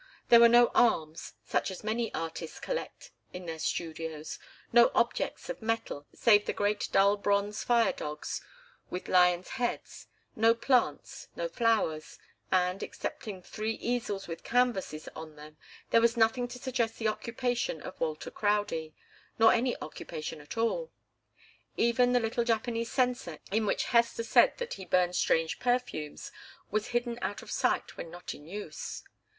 There were no arms, such as many artists collect in their studios, no objects of metal, save the great dull bronze fire dogs with lions' heads, no plants, no flowers, and, excepting three easels with canvases on them, there was nothing to suggest the occupation of Walter Crowdie nor any occupation at all. Even the little Japanese censer in which Hester said that he burned strange perfumes was hidden out of sight when not in use.